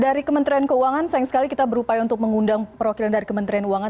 dari kementerian keuangan sayang sekali kita berupaya untuk mengundang perwakilan dari kementerian keuangan